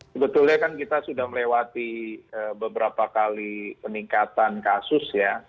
sebetulnya kan kita sudah melewati beberapa kali peningkatan kasus ya